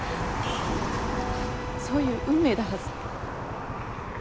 そういう運命だはず。